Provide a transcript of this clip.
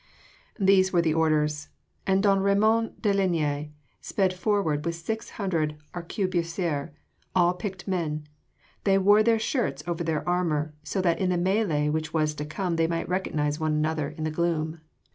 These were the orders and don Ramon de Linea sped forward with six hundred arquebusiers all picked men they wore their shirts over their armour, so that in the mêlée which was to come they might recognise one another in the gloom.